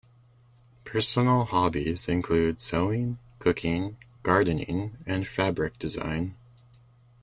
Personal hobbies include sewing, cooking, gardening, and fabric design.